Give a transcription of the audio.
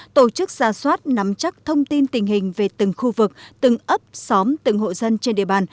tổ chức ra soát nắm chắc thông tin tình hình về từng khu vực từng ấp xóm từng hộ dân trên địa bàn